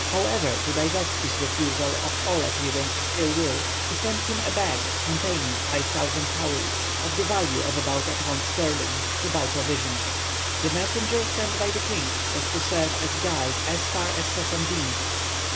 However, to divest his refusal of all appearance of ill will, he sent him a bag containing 5000 cowries, of the value of about a pound sterling, to buy provisions. The messenger sent by the king was to serve as guide as far as Sansanding.